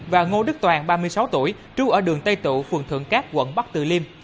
và ngô đức toàn ba mươi sáu tuổi trú ở đường tây tụ phường thượng cát quận bắc từ liêm